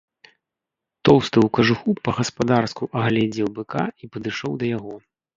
Тоўсты ў кажуху па-гаспадарску агледзеў быка і падышоў да яго.